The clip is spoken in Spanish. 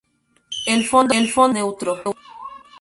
El fondo es neutro.